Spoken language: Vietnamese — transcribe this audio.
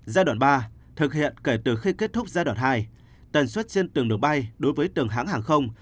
giai đoạn ba thực hiện kể từ khi kết thúc giai đoạn hai tần suất trên từng đường bay đối với từng hãng hàng không